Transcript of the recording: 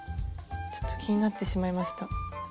ちょっと気になってしまいました。